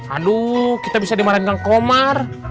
aduh kita bisa dimarahinkan komar